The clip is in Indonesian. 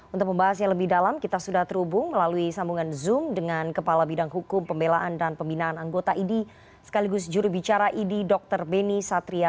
untuk membahasnya lebih dalam kita sudah terhubung melalui sambungan zoom dengan kepala bidang hukum pembelaan dan pembinaan anggota idi sekaligus jurubicara idi dr beni satria